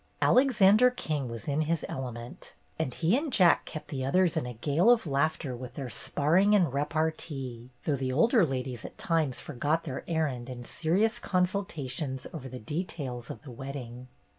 Alexander King was in his element, and he and Jack kept the others in a gale of laughter with their sparring and repartee, though the older ladies at times forgot their errand in serious consultations over the details of the wedding.